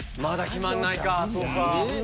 まだ決まんないかそうか。